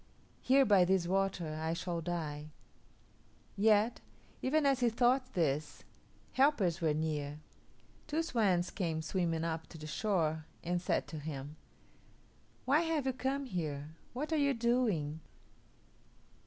Here by this water I shall die." Yet, even as he thought this, helpers were near. Two swans came swimming up to the shore and said to him, "Why have you come here? What are you doing?